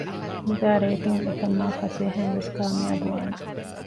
މިދާ ރޭޓުން އެކަން މާ ފަސޭހައިން ވެސް ކާމިޔާބު ވާނެ